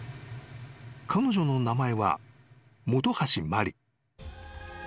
［彼女の名前は本橋麻里］